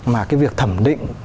mà cái việc thẩm định